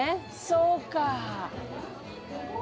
そうか。